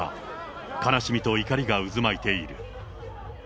悲しみと怒りが渦巻いている。